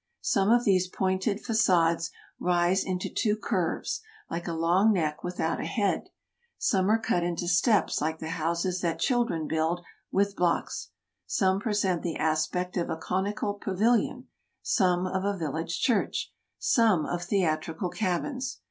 Some of these pointed facades rise into two curves, like a long neck without a head; some are cut into steps like the houses that children build with blocks; some present the aspect of a conical pavilion, some of a village church, some of theatrical cabins.